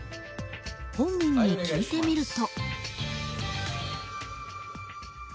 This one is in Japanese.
本人に聞いてみると。